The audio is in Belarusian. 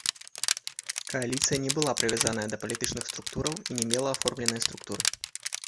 Кааліцыя не была прывязаны да палітычных структур і не мела аформленай структуры.